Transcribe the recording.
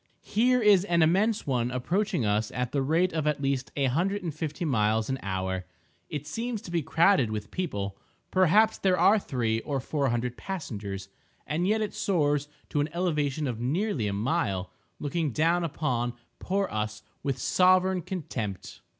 Here is an immense one approaching us at the rate of at least a hundred and fifty miles an hour. It seems to be crowded with people—perhaps there are three or four hundred passengers—and yet it soars to an elevation of nearly a mile, looking down upon poor us with sovereign contempt.